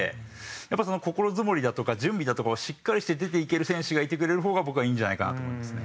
やっぱりその心づもりだとか準備だとかをしっかりして出ていける選手がいてくれる方が僕はいいんじゃないかなと思いますね。